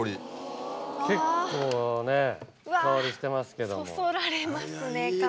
結構ね香りしてますけど。